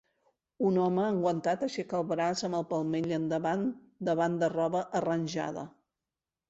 Un home enguantat aixeca el braç amb el palmell endavant davant de roba arranjada.